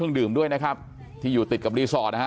อยู่ดีมาตายแบบเปลือยคาห้องน้ำได้ยังไง